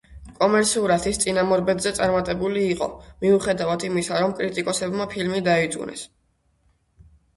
კომერციულად ის წინამორბედზე წარმატებული იყო, მიუხედავად იმისა რომ კრიტიკოსებმა ფილმი დაიწუნეს.